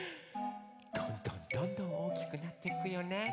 どんどんどんどんおおきくなってくよね